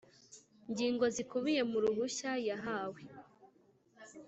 ngingo zikubiye mu ruhushya yahawe